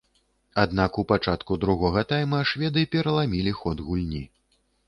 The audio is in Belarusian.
Аднак у пачатку другога тайма шведы пераламілі ход гульні.